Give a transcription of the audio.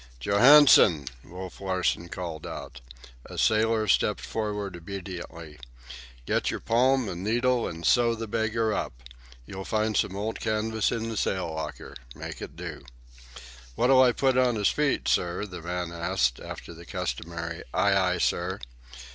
"Johansen!" Wolf Larsen called out. A sailor stepped forward obediently. "Get your palm and needle and sew the beggar up. You'll find some old canvas in the sail locker. Make it do." "What'll I put on his feet, sir?" the man asked, after the customary "Ay, ay, sir."